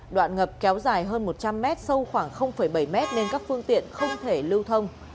đoạn ngập kéo dài hơn một trăm linh mét sâu khoảng bảy mét nên các phương tiện không thể lưu thông